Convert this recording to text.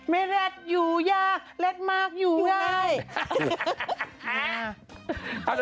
ไม่แรดอยู่ยากแรดมากอยู่ง่าย